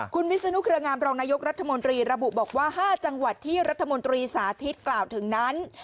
คุณวิศนุเครืองามรองนายกรัฐมนตรีระบุบอกว่า๕จังหวัดที่รัฐมนตรีสาธิตกล่าวถึงนั้น